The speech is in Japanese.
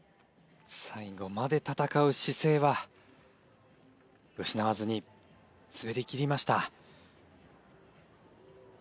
最後まで戦う姿勢は失わずに滑り切りました。